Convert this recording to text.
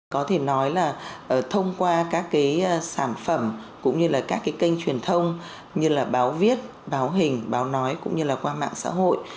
có thể nói là thông qua các cái sản phẩm cũng như là các cái kênh truyền thông như là báo viết báo hình báo nói cũng như là qua mạng xã hội